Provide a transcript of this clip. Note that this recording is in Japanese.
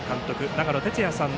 長野哲也さん